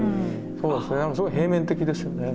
そうですねすごい平面的ですよね。